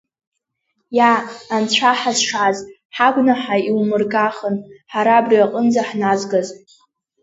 Иа, Анцәа ҳазшаз, ҳагәнаҳа иумыргахын ҳара абриаҟынӡа ҳназгаз!